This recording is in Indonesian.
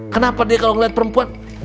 kenapa dia kalau ngeliat perempuan